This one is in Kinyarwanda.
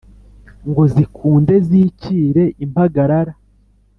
ngo zikunde zikire impagarara